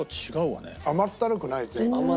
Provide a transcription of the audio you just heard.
甘ったるくない？